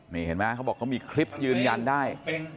นี่เห็นไหมเขาบอกเขามีคลิปยืนยันได้